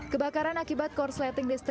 kebakaran akibat korsleting destri